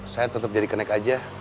saya tetap jadi kenaik aja